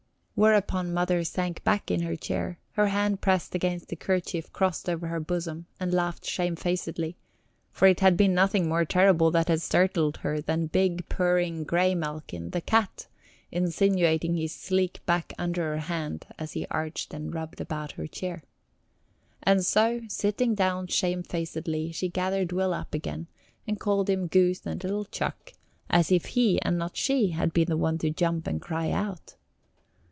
Whereupon Mother sank back in her chair, her hand pressed against the kerchief crossed over her bosom, and laughed shamefacedly, for it had been nothing more terrible that had startled her than big, purring Graymalkin, the cat, insinuating his sleek back under her hand as he arched and rubbed about her chair. And so, sitting down shamefacedly, she gathered Will up again and called him goose and little chuck, as if he and not she had been the one to jump and cry out.